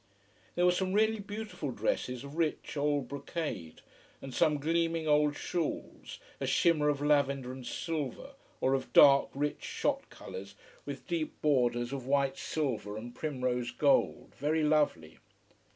There were some really beautiful dresses of rich old brocade, and some gleaming old shawls, a shimmer of lavender and silver, or of dark, rich shot colours with deep borders of white silver and primrose gold, very lovely.